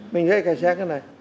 mình gây kẹt xe cái này